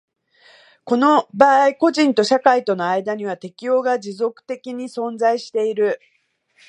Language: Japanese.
この場合個人と社会との間には適応が持続的に存在している。